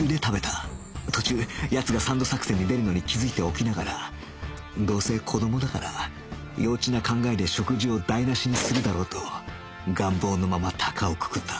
途中奴がサンド作戦に出るのに気づいておきながらどうせ子どもだから幼稚な考えで食事を台無しにするだろうと願望のまま高をくくった